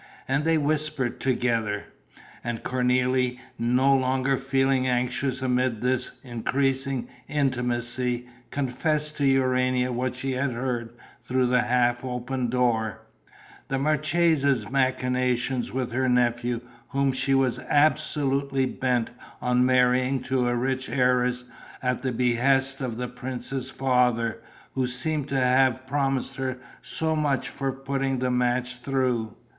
and they whispered together. And Cornélie, no longer feeling anxious amid this increasing intimacy, confessed to Urania what she had heard through the half open door: the marchesa's machinations with her nephew, whom she was absolutely bent on marrying to a rich heiress at the behest of the prince's father, who seemed to have promised her so much for putting the match through.